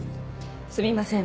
すみません。